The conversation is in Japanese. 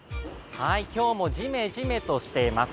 今日もジメジメとしています。